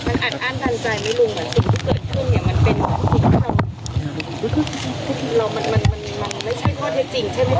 มันอาจอ้านทันใจไหมลุงว่าสิ่งที่เกิดขึ้นเนี่ยมันเป็นจริงหรือเปล่า